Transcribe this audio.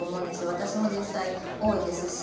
私も実際多いですし。